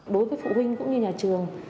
bố với phụ huynh cũng như nhà trường